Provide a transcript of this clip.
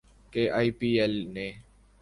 کہ I P L نے